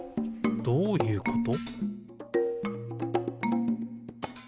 どういうこと？